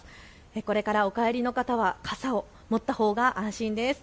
これからお帰りの方は傘を持ったほうが安心です。